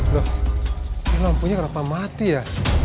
loh ini lampunya kenapa mati ya